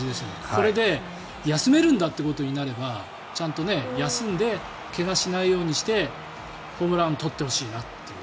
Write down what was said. これで休めるんだってことになれば休んで怪我しないようにしてホームランを取ってほしいなという。